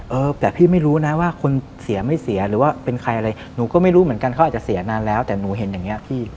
เออแต่พี่ไม่รู้นะว่าคนเสียไม่เสียหรือว่าเป็นใครอะไรหนูก็ไม่รู้เหมือนกันเขาอาจจะเสียนานแล้วแต่หนูเห็นอย่างนี้พี่